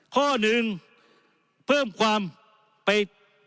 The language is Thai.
ข้อหนึ่งเพิ่มความไป